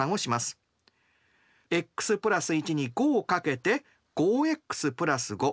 ｘ＋１に５をかけて５ｘ＋５。